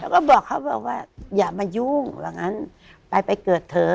แล้วก็บอกเขาบอกว่าอย่ามายุ่งว่างั้นไปไปเกิดเถอะ